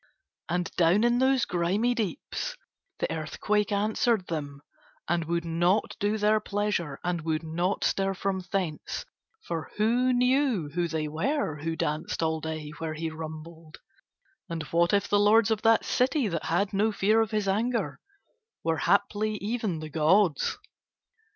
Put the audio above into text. And down in those grimy deeps the earthquake answered them, and would not do their pleasure and would not stir from thence, for who knew who they were who danced all day where he rumbled, and what if the lords of that city that had no fear of his anger were haply even the gods!